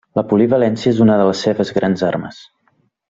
La polivalència és una de les seves grans armes.